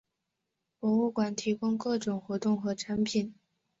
博物馆提供各种活动和展品。